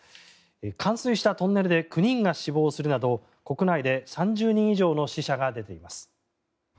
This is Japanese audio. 冠水したトンネルで９人が死亡するなど国内で３０人以上の死者が出ています。